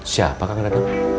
siapa kan gak tau